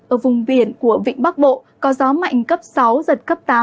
ở vùng biển của vịnh bắc bộ có gió mạnh cấp sáu giật cấp tám